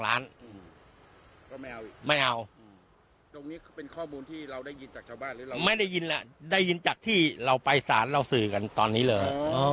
มันไม่ได้ยินละได้ยินจากที่เราไปศาลเราสื่อกันตอนนี้เลย